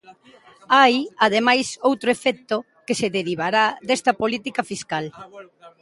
Hai ademais outro efecto que se derivará desta política fiscal.